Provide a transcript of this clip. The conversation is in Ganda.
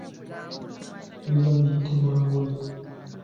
Biba biyitibwa ngoye.